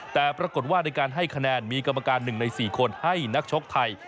แต่ปรากฏว่าในการให้คะแนนมีกรรมการ๑ใน๔คนให้นักชกไทย